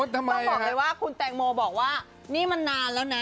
ต้องบอกเลยว่าคุณแตงโมบอกว่านี่มันนานแล้วนะ